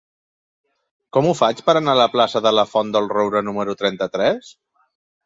Com ho faig per anar a la plaça de la Font del Roure número trenta-tres?